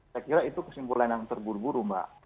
saya kira itu kesimpulan yang terburu buru mbak